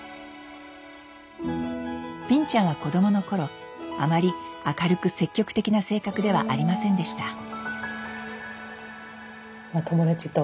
ぴんちゃんは子供の頃あまり明るく積極的な性格ではありませんでした。